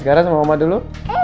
jangan dikasih lagi permen lagi batu